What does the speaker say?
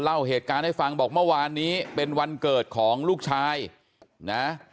เล่าเหตุการณ์ให้ฟังบอกเมื่อวานนี้เป็นวันเกิดของลูกชายนะ